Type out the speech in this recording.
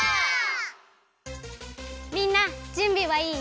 みんなじゅんびはいい？